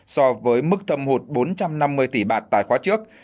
so với mức thâm hụt bốn trăm năm mươi tỷ bạt tài khoá trước